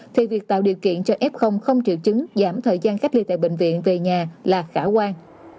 thì việc tạo điều kiện cho f không triệu chứng giảm thời gian cách ly tại bệnh viện về nhà là khả quan